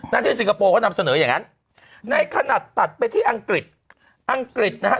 นั่นที่สิงคโปร์เขานับเสนออย่างงั้นในขณะตัดไปที่อังกฤษอังกฤษนะฮะ